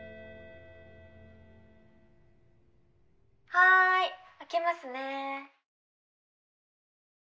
はい開けますね。